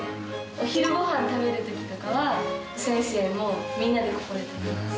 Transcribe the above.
お昼ご飯食べる時とかは先生もみんなでここで食べます。